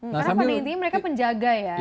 karena paling intinya mereka penjaga ya